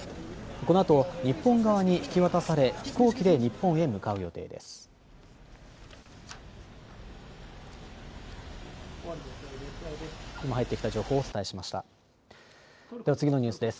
このあと日本側に引き渡され飛行機で日本へ向かう予定です。